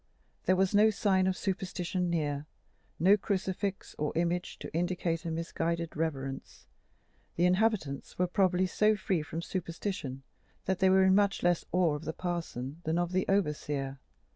There was no sign of superstition near, no crucifix or image to indicate a misguided reverence: the inhabitants were probably so free from superstition that they were in much less awe of the parson than of the overseer.